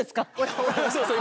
そうそう。